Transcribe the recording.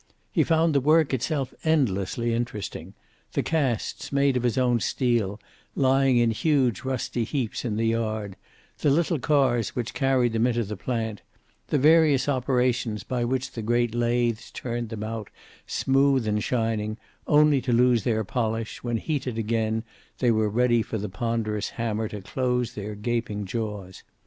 He found the work itself endlessly interesting. The casts, made of his own steel, lying in huge rusty heaps in the yard; the little cars which carried them into the plant; the various operations by which the great lathes turned them out, smooth and shining, only to lose their polish when, heated again, they were ready for the ponderous hammer to close their gaping jaws.